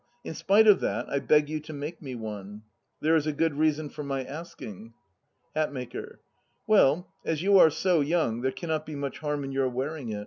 In spite of that I beg of you to make me one. There is a good reason for my asking. HATMAKER. Well, as you are so young there cannot be much harm in your wear ing it.